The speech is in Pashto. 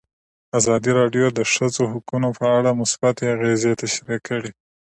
ازادي راډیو د د ښځو حقونه په اړه مثبت اغېزې تشریح کړي.